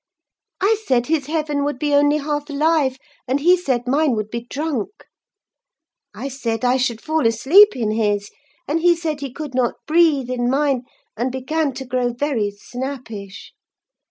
I said his heaven would be only half alive; and he said mine would be drunk: I said I should fall asleep in his; and he said he could not breathe in mine, and began to grow very snappish.